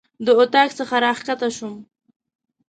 د اطاق څخه راکښته شوم.